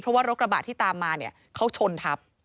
เพราะว่ารถกระบาดที่ตามมาเขาชนทับ